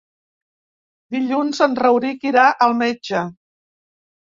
Dilluns en Rauric irà al metge.